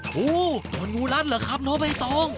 โอ้โฮถูกงูรัดเหรอครับน้องเบ้ตอง